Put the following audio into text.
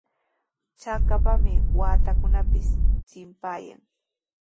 Chakapami waatakunapis chimpayan.